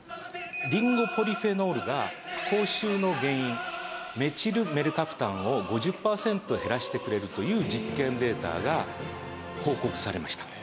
リンゴポリフェノールが口臭の原因メチルメルカプタンを５０パーセント減らしてくれるという実験データが報告されました。